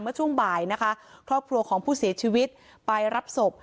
เมื่อช่วงบ่ายนะคะครอบครัวของผู้เสียชีวิตไปรับศพ